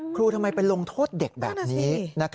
ทำไมไปลงโทษเด็กแบบนี้